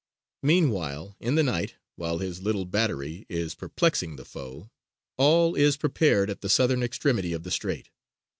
Meanwhile, in the night, while his little battery is perplexing the foe, all is prepared at the southern extremity of the strait.